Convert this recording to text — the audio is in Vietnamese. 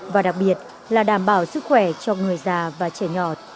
và đặc biệt là đảm bảo sức khỏe cho người già và trẻ nhỏ